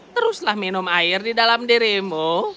teruslah minum air di dalam dirimu